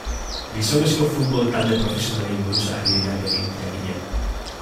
Gizonezko futbol talde profesionalei buruz ari dira beti, jakina.